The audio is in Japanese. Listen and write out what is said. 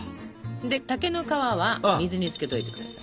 で竹の皮は水につけておいてください。